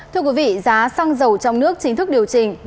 thưa quý vị giá xăng dầu trong nước chính thức điều chỉnh